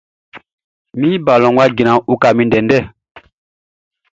Min balɔnʼn wʼa jran, uka min ndɛndɛ!